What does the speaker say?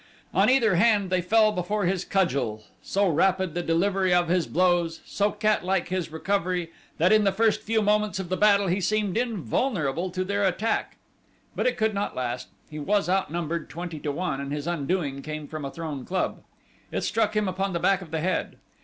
On either hand they fell before his cudgel; so rapid the delivery of his blows, so catlike his recovery that in the first few moments of the battle he seemed invulnerable to their attack; but it could not last he was outnumbered twenty to one and his undoing came from a thrown club. It struck him upon the back of the head.